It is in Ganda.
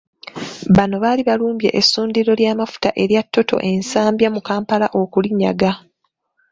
Bano baali balumbye essundiro ly'amafuta elya Total e Nsambya mu Kampala okulinyaga.